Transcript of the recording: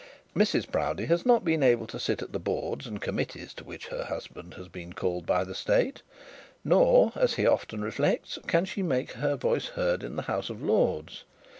Mrs Proudie has not been able to sit at the boards and committees to which her husband has been called by the state; nor, as he often reflects, can she make her voice heard in the House of Lords.